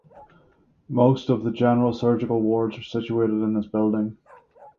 Most of the general surgical wards are situated in this building.